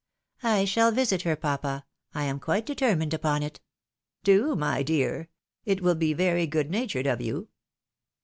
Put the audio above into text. " I shall visit her, papa, I am quite determined upon it." " Do, my dear ; it will be very good natured of you."